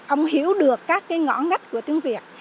ông hiểu được các ngõ ngách của tiếng việt